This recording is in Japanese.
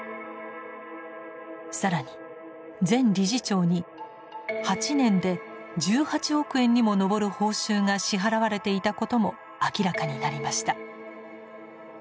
更に前理事長に８年で１８億円にも上る報酬が支払われていたことも明らかになりました。